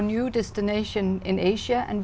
nếu các bạn không chắc chắn